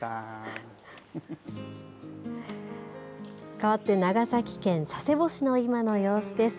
かわって長崎県佐世保市の今の様子です。